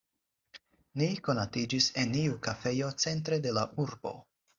Ni konatiĝis en iu kafejo centre de la urbo.